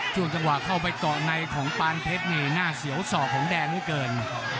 ช่วงจังหวะเข้าไปเกาะในของปานเพชรนี่หน้าเสียวสอกของแดงเหลือเกิน